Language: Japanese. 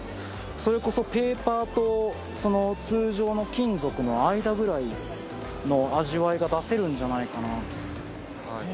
それこそペーパーとその通常の金属の間ぐらいの味わいが出せるんじゃないかな